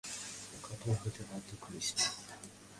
কঠোর হতে বাধ্য করিস না।